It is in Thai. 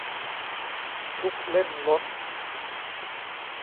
ทุกเล่มลด